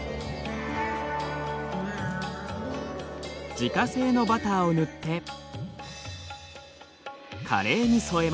自家製のバターを塗ってカレーに添えます。